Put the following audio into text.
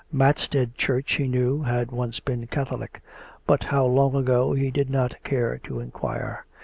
Matstead Church, he knew, had once been Catholic; but how long ago he did not care to inquire.